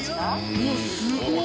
うわすごい！